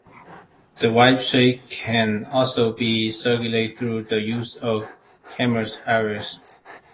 The wipe shape can also be circular through the use of the camera's iris.